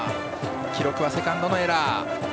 記録はセカンドのエラー。